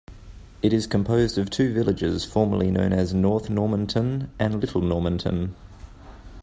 It is composed of two villages formerly known as North Normanton and Little Normanton.